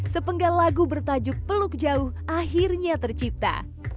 sepenggal lagu bertajuk peluk jauh akhirnya tercipta